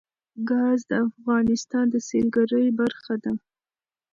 ګاز د افغانستان د سیلګرۍ برخه ده.